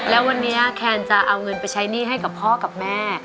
แล้ววันนี้แคนจะเอาเงินไปใช้หนี้ให้กับพ่อกับแม่